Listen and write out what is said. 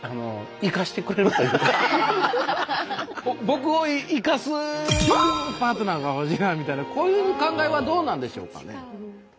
僕を生かすパートナーが欲しいなみたいなこういう考えはどうなんでしょうかね？